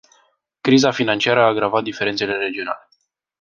Criza financiară a agravat diferențele regionale.